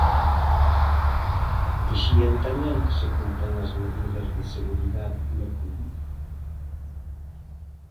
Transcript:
Vixían tamén que se cumpran as medidas de seguridade pola Covid.